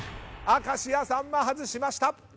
明石家さんま外しました。